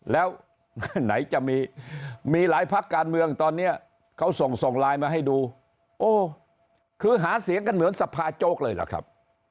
แล้วไหนจะมีมีหลายพักการเมืองตอนนี้เขาส่งส่งไลน์มาให้ดูโอ้คือหาเสียงกันเหมือนสภาโจ๊กเลยล่ะครับ